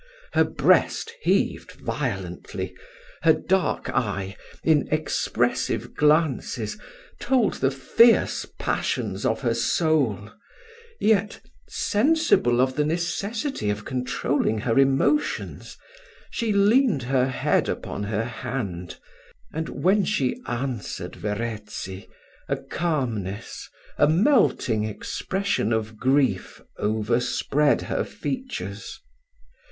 Her breast heaved violently, her dark eye, in expressive glances, told the fierce passions of her soul; yet, sensible of the necessity of controlling her emotions, she leaned her head upon her hand, and when she answered Verezzi, a calmness, a melting expression of grief, overspread her features.